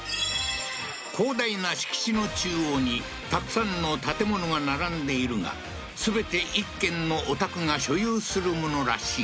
広大な敷地の中央にたくさんの建物が並んでいるが全て１軒のお宅が所有するものらしい